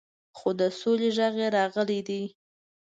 خو د سولې غږ یې راغلی دی.